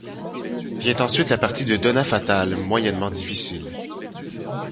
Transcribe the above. Vient ensuite la partie de Donna Fatale, moyennement difficile.